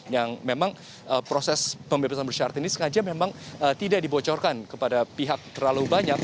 yang memang proses pembebasan bersyarat ini sengaja memang tidak dibocorkan kepada pihak terlalu banyak